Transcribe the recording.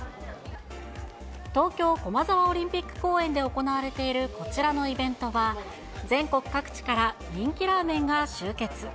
東京駒沢オリンピック公園で行われているこちらのイベントは、全国各地から人気ラーメンが集結。